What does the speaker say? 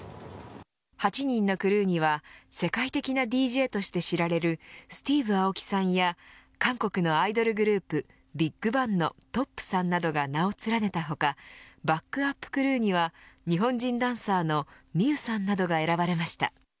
８人のクルーには世界的なＤＪとして知られるＳｔｅａｖｅＡｏｋｉさんや韓国のアイドルグループＢＩＧＢＡＮＧのＴ．Ｏ．Ｐさんなどが名を連ねた他バックアップクルーには日本人ダンサーのＭｉｙｕさんなどが選ばれました。